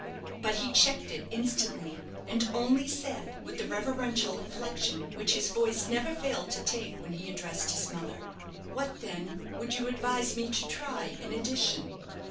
But he checked it instantly, and only said, with the reverential inflection which his voice never failed to take when he addressed his mother, "What, then, would you advise me to try, in addition?"